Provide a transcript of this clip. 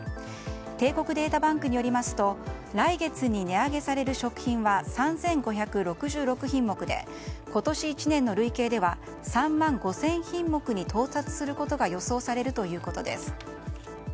帝国データバンクによりますと来月に値上げされる食品は３５６６品目で今年１年の累計では３万５０００品目に到達することが予想されるということです。